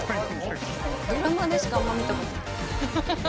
ドラマでしかあんま見たことない。